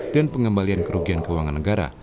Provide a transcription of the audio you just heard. dan pengembalian kerugian keuangan negara